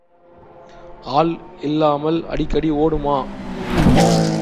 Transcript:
ஆள் இல்லாமல் அடிக்கடி ஓடுமா?